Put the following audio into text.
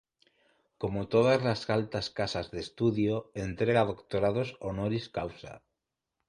Como todas las altas casas de estudio, entrega doctorados honoris causa.